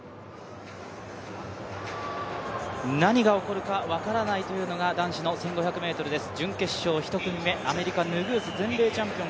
何が起こるか分からないというのが、男子の１５００ｍです。